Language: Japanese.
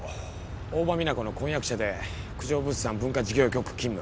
大庭実那子の婚約者で九条物産文化事業局勤務。